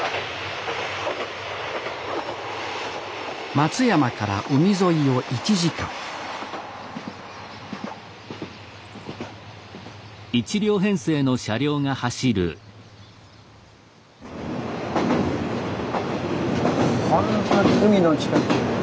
松山から海沿いを１時間ほんとに海の近く。